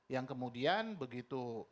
yang kemudian begitu